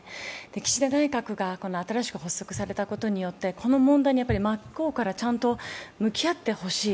岸田内閣が新しく発足されたことによって、この問題から真っ向からちゃんと向き合って欲しい。